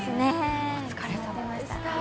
お疲れさまでした。